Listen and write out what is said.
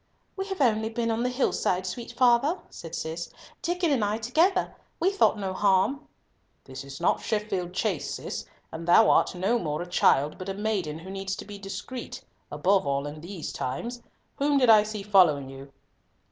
"We have only been on the hillside, sweet father," said Cis, "Diccon and I together. We thought no harm." "This is not Sheffield Chase, Cis, and thou art no more a child, but a maiden who needs to be discreet, above all in these times. Whom did I see following you?"